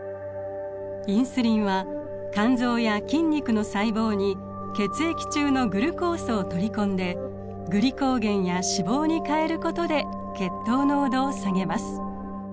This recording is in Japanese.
インスリンは肝臓や筋肉の細胞に血液中のグルコースを取り込んでグリコーゲンや脂肪に変えることで血糖濃度を下げます。